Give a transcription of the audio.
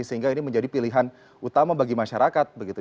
sehingga ini menjadi pilihan utama bagi masyarakat begitu